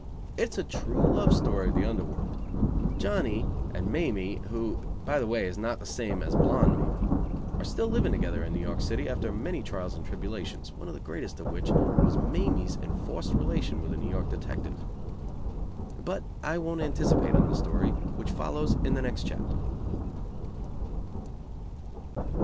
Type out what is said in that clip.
It is a true love story of the Under World. Johnny, and Mamie, who by the way is not the same as Blonde Mamie, are still living together in New York City, after many trials and tribulations, one of the greatest of which was Mamie's enforced relation with a New York detective. But I won't anticipate on the story, which follows in the next chapter.